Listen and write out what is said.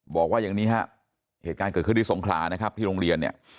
บอกว่าอย่างนี้ฮะเหตุการณ์เกิดขึ้นที่สงขลานะครับที่โรงเรียนเนี่ย